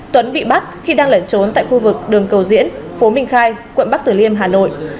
tuấn bị bắt khi đang lẩn trốn tại khu vực đường cầu diễn phố minh khai quận bắc tử liêm hà nội